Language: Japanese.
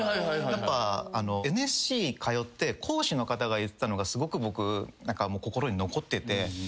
やっぱＮＳＣ通って講師の方が言ってたのがすごく僕心に残ってて。